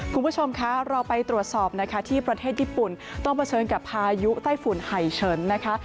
คุณผู้ชมคะเราไปตรวจสอบนะคะที่ประเทศญี่ปุ่นต้องเผชิญกับพายุไต้ฝุ่นไห่เฉินนะคะ